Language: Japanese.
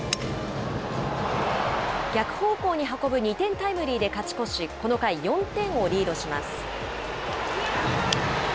逆方向に運ぶ２点タイムリーで勝ち越し、この回４点をリードします。